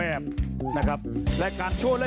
เอาละค่ะโชว์